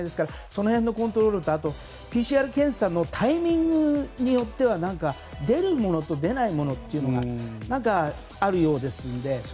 その辺のコントロールとあとはＰＣＲ検査のタイミングによっては出るものと出ないものがあるようですので。